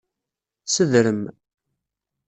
Sedrem.